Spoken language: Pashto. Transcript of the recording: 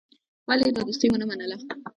ولي يې دا دوستي ونه منله.